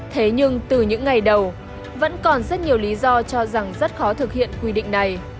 thế nhưng từ những ngày đầu vẫn còn rất nhiều lý do cho rằng rất khó thực hiện quy định này